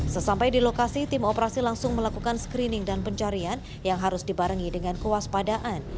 sesampai di lokasi tim operasi langsung melakukan screening dan pencarian yang harus dibarengi dengan kewaspadaan